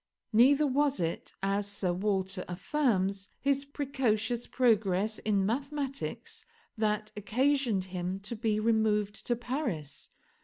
Neither was it, as Sir Walter affirms, his precocious progress in mathematics that occasioned him to be removed to Paris.